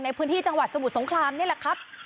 ในพื้นที่จังหวัดสมุทรสงครามนี่แหละครับ